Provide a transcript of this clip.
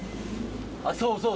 あっそうそう